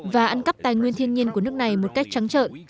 và ăn cắp tài nguyên thiên nhiên của nước này một cách trắng trợn